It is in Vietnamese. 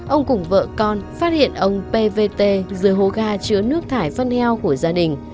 ông cùng vợ con phát hiện ông pê vê tê dưới hố ga chứa nước thải phân heo của gia đình